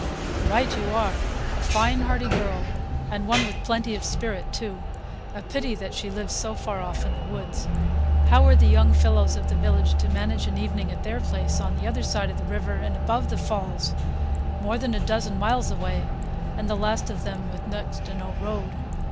"Right you are! A fine hearty girl, and one with plenty of spirit too. A pity that she lives so far off in the woods. How are the young fellows of the village to manage an evening at their place, on the other side of the river and above the falls, more than a dozen miles away and the last of them with next to no road?"